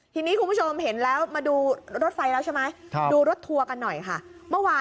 ทีนี้คุณผู้ชมเห็นแล้วมาดูรถไฟแล้วใช่ไหมดูรถทัวร์กันหน่อยค่ะเมื่อวาน